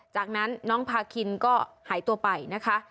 จากนั้นน้องพาคินก็หายตัวไปนะคะ